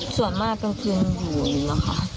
ส่วนมากกลางคืนอยู่นะคะ